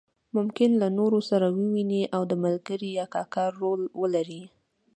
ممکن له نورو سره وویني او د ملګري یا کاکا رول ولري.